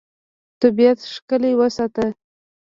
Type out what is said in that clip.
طبیعت ښکلی وساته.